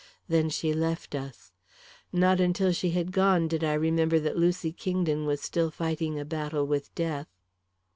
Then she left us. Not until she had gone did I remember that Lucy Kingdon was still fighting a battle with death.